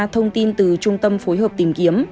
thông tin từ trung tâm phối hợp tìm kiếm